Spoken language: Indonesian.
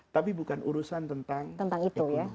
tapi bukan urusan tentang itu